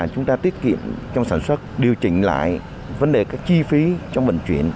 chúng ta tiết kiệm trong sản xuất điều chỉnh lại vấn đề các chi phí trong vận chuyển